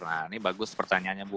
nah ini bagus pertanyaannya bu